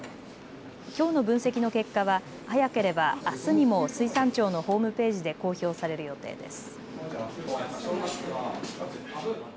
きょうの分析の結果は早ければあすにも水産庁のホームページで公表される予定です。